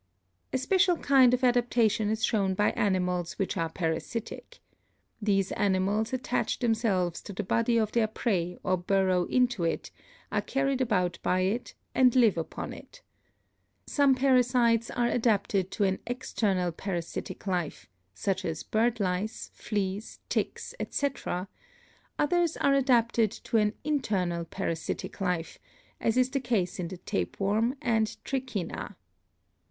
A special kind of adaptation is shown by animals which are parasitic. These animals attach themselves to the body of their prey or burrow into it, are carried about by it and live upon it. Some parasites are adapted to an ex ternal parasitic life, such as bird lice, fleas, ticks, etc.; others are adapted to an internal parasitic life, as is the case in the tapeworm and trichina.